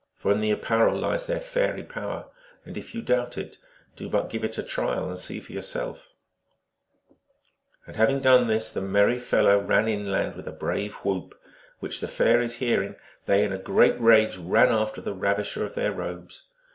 For in the apparel lies their fairy power; and if you doubt it, do but give it a trial and see for yourself ! And having done this, the merry fellow ran inland with a brave whoop, which the fairies hearing, they in a great rage ran after the ravisher of their robes.